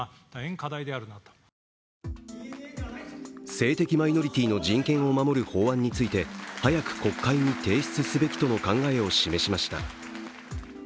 性的マイノリティーの人権を守る法案について早く国会に提出すべきとの考えを示しました。